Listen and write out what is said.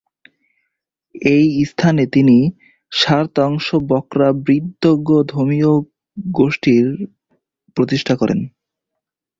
এই স্থানে তিনি স্মার-ত্শাং-ব্কা'-ব্র্গ্যুদ ধর্মীয় গোষ্ঠীর প্রতিষ্ঠা করেন।